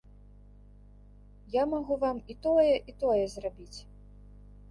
Я магу вам і тое, і тое зрабіць.